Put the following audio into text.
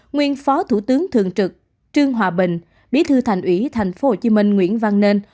nguyên phó thủ tướng thường trực trương hòa bình bí thư thành ủy tp hcm nguyễn văn nên